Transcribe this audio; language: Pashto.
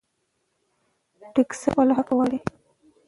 ټیکساس خپل حق غواړي.